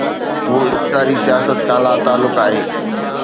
هو اقتداري سياست کان لاتعلق آهي.